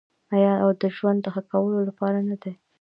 آیا او د ژوند د ښه کولو لپاره نه دی؟